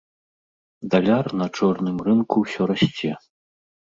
Даляр на чорным рынку ўсё расце.